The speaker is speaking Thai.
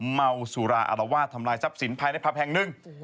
เมาสุราอารวาสทำลายทรัพย์สินภายในผับแห่งหนึ่ง